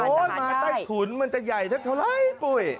โหมาใต้ถุนมันจะใหญ่เท่าไหร่